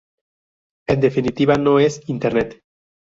En definitiva, no es Internet.